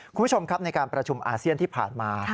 คุณผู้ชมครับในการประชุมอาเซียนที่ผ่านมา